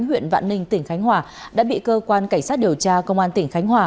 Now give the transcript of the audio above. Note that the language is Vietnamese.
huyện vạn ninh tỉnh khánh hòa đã bị cơ quan cảnh sát điều tra công an tỉnh khánh hòa